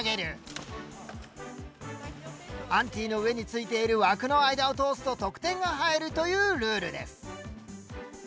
アンティの上についている枠の間を通すと得点が入るというルールです。